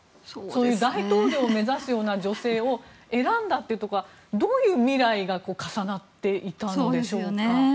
大統領を目指すような女性を選んだというところはどういう未来が重なっていたんでしょうか。